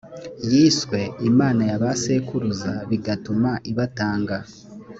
yiswe imana ya ba sekuruza bigatuma ibatanga